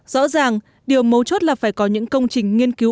rõ ràng điều mấu chốt là phải có những công trình nghiên cứu